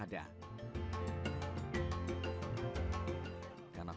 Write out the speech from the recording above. karena perahu adalah kaki mereka untuk mencari perahu